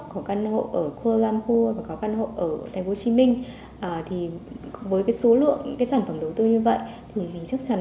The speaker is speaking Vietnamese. có căn hộ ở kuala lumpur và có căn hộ ở tp hcm với số lượng các sản phẩm đầu tư như vậy thì chắc chắn